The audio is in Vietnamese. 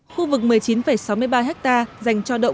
khu vực một mươi chín sáu mươi ba ha dành cho đậu